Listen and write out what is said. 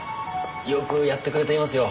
よくやってくれていますよ。